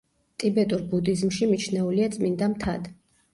ტიბეტურ ბუდიზმში მიჩნეულია წმინდა მთად.